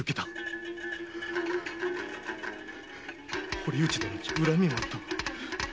堀内殿に恨みもあった。